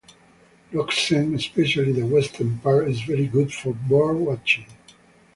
Roxen, especially the western parts, is very good for bird watching.